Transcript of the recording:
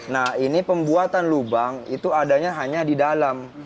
nah ini pembuatan lubang itu adanya hanya di dalam